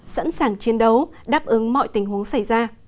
sẵn sàng chiến đấu đáp ứng mọi tình huống xảy ra